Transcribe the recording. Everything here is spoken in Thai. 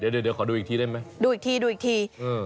เดี๋ยวขอดูอีกทีได้ไหม